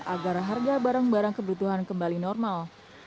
agar harga barang barang kebutuhan kembali normal